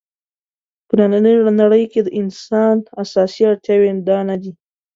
په نننۍ نړۍ کې د انسان اساسي اړتیاوې دا نه دي.